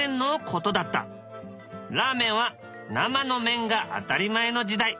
ラーメンは生の麺が当たり前の時代。